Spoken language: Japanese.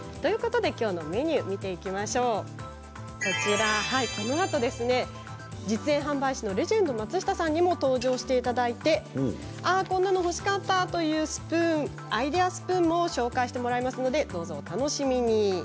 今日のメニュー、このあと実演販売士レジェンド松下さんにも登場していただいてああ、こんなの欲しかったというアイデアスプーンを紹介してもらいますのでどうぞお楽しみに。